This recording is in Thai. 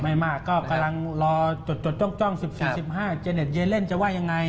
ไม่มากก็กำลังรอจดจ้อง๑๔๑๕เจเน็ตเยเล่นจะว่ายังไง